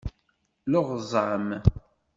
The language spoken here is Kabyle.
Leɣẓam.